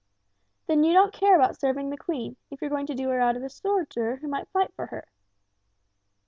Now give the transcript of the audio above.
"Then you don't care about serving the Queen, if you're going to do her out of a soldier who might fight for her!"